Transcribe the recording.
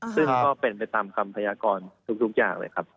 ซึ่งก็เป็นไปตามคำพยากรทุกอย่างเลยครับ